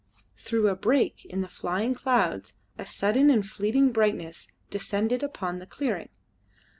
Through a break in the flying clouds a sudden and fleeting brightness descended upon the clearing.